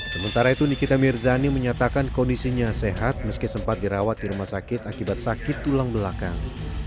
sementara itu nikita mirzani menyatakan kondisinya sehat meski sempat dirawat di rumah sakit akibat sakit tulang belakang